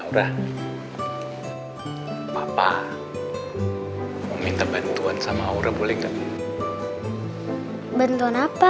udah papa minta bantuan sama aura bolehkan benton apa